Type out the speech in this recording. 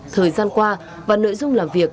thời gian qua và nội dung làm việc